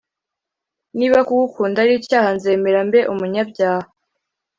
Niba kugukunda ari icyaha nzemera mbe umunyabyaha